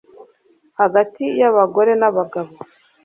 hagati y'abagore n'abagabo